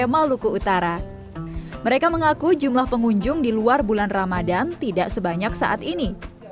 maluku utara mereka mengaku jumlah pengunjung di luar bulan ramadhan tidak sebanyak saat ini